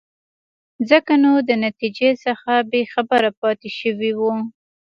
ځکه نو د نتیجې څخه بې خبره پاتې شوی وو.